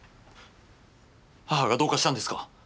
母がどうかしたんですか？